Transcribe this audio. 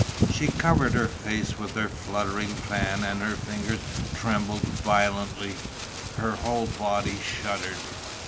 She covered her face with her fluttering fan and her fingers trembled violently; her whole body shuddered.